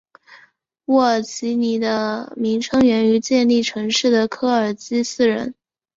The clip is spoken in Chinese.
乌尔齐尼的名称源于建立城市的科尔基斯人。